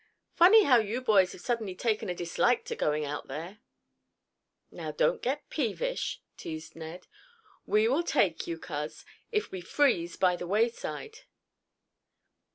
Funny how you boys have suddenly taken a dislike to going out there." "Now don't get peevish," teased Ned. "We will take you, Coz, if we freeze by the wayside."